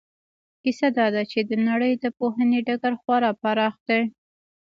کیسه دا ده چې د نړۍ د پوهنې ډګر خورا پراخ دی.